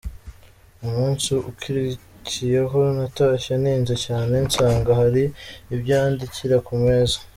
Umunsi ukurikiyeho, natashye ntinze cyane, nsanga hari ibyo yandikira ku meza.